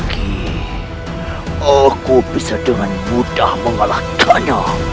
aku bisa dengan mudah mengalahkannya